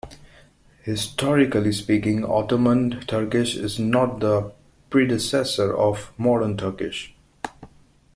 Historically speaking, Ottoman Turkish is not the predecessor of modern Turkish.